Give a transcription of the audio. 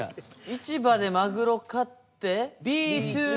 市場でマグロ買ってＢ２